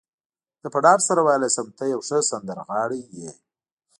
زه په ډاډ سره ویلای شم، ته یو ښه سندرغاړی يې.